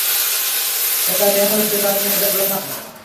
এটা রেহান হতে পারে না, এটা রেহান না!